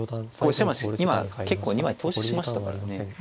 今結構２枚投資しましたからね。